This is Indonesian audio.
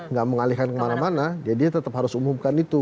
nggak mengalihkan kemana mana dia tetap harus umumkan itu